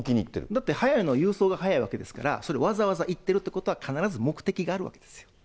だって早いのは郵送が早いわけですから、それ、わざわざ行ってるっていうことは、必ず目的があるわけです。